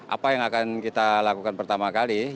apa yang akan kita lakukan pertama kali